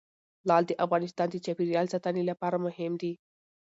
لعل د افغانستان د چاپیریال ساتنې لپاره مهم دي.